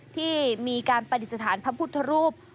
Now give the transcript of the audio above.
ที่มีการปฏิสถานพระพุทธรูป